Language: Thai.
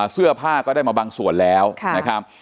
เสื้อผ้าก็ได้มาบางส่วนแล้วนะครับ